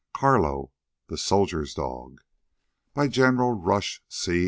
CARLO, THE SOLDIERS' DOG By General Rush C.